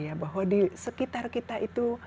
ya bahwa di sekitar kita itu